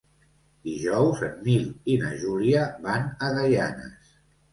Dijous en Nil i na Júlia van a Gaianes.